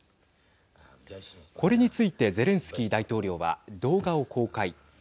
これについてゼレンスキー大統領は動画を公開。